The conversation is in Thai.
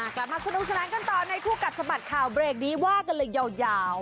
กลับมาคุณอุธนัยกันตอนในคู่กัดสมัดข่าวเบรกนี้ว่ากันเลยยาว